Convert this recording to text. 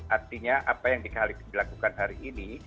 artinya apa yang dilakukan hari ini